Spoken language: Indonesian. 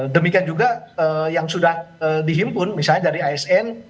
demikian juga yang sudah dihimpun misalnya dari asn